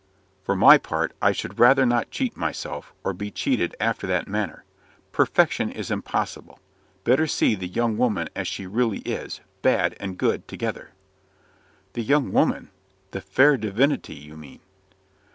"For my part, I should rather not cheat myself, or be cheated after that manner. Perfection is impossible. Better see the young woman as she really is, bad and good together." "The young woman! The fair divinity, you mean!"